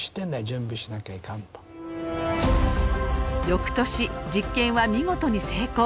翌年実験は見事に成功。